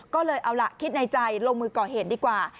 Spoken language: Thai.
ก็เลยเอาล่ะคิดในใจลงมือก่อเหตุดีกว่า